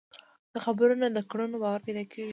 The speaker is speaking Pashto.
د خبرو نه، د کړنو باور پیدا کېږي.